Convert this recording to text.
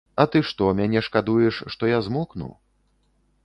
А ты што, мяне шкадуеш, што я змокну.